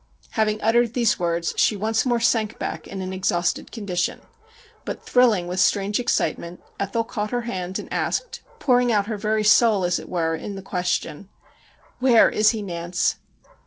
' Having uttered these words she once more sank back in an exhausted condition ; but thrilling with strange excitement Ethel caught her hand, and asked, pouring out her very soul, as it were, in the question :' Where is he, Nance